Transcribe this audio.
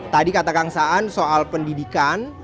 tadi kata kang saan soal pendidikan